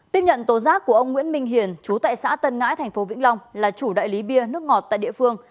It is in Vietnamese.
tiếp nhận tố giác của ông nguyễn minh hiền trú tại xã tân ngãi thành phố vĩnh long là chủ đại lý bia nước ngọt tại địa phương